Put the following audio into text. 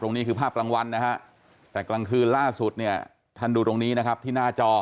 ตอนนี้คือภาพรางวัลแต่กลางคืนล่าสุดทันดูตรงนี้นะครับที่หน้าจอ